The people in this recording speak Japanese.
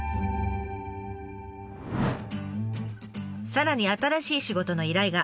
さらに新しい仕事の依頼が。